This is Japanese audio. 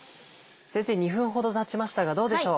先生２分ほどたちましたがどうでしょう。